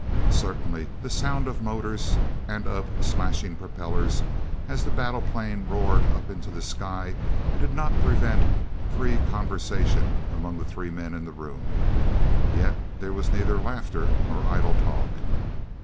Certainly the sound of motors and of slashing propellers, as the battle plane roared up into the sky, did not prevent free conversation among the three men in the room. Yet there was neither laughter nor idle talk.